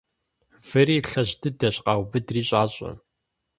Выри лъэщ дыдэщ къаубыдри щIащIэ.